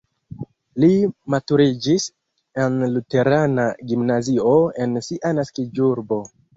Li maturiĝis en luterana gimnazio en sia naskiĝurbo.